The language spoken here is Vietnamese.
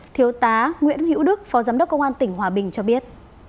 thiếu tá nguyễn hữu đức phó giám đốc công an tỉnh hòa bình cho biết